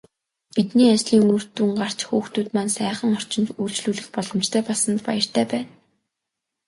Бидний ажлын үр дүн гарч, хүүхдүүд маань сайхан орчинд үйлчлүүлэх боломжтой болсонд баяртай байна.